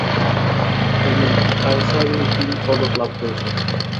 তিনি কায়সার-ই-হিন্দ পদক লাভ করেছিলেন।